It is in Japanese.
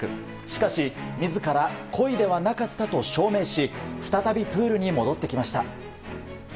しかし自ら故意ではなかったと証明し再びプールに戻ってきました。